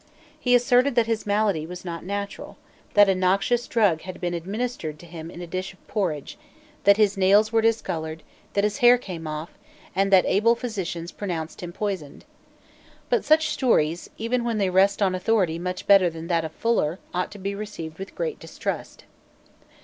He asserted that his malady was not natural, that a noxious drug had been administered to him in a dish of porridge, that his nails were discoloured, that his hair came off, and that able physicians pronounced him poisoned. But such stories, even when they rest on authority much better than that of Fuller, ought to be received with great distrust.